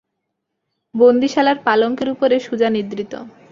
বন্দীশালার পালঙ্কের উপরে সুজা নিদ্রিত।